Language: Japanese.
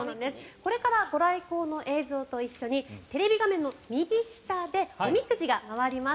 これからご来光の映像と一緒にテレビ画面の右下でおみくじが回ります。